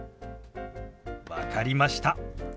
分かりました。